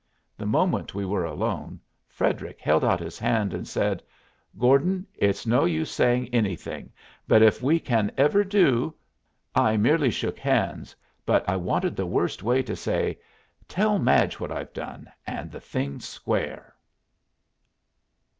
The moment we were alone, Frederic held out his hand, and said, "Gordon, it's no use saying anything, but if we can ever do " I merely shook hands, but I wanted the worst way to say, "Tell Madge what I've done, and the thing's square."